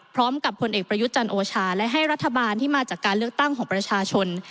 ผลเอกประยุทธ์จันทร์โอชาและให้รัฐบาลที่มาจากการเลือกตั้งของประชาชน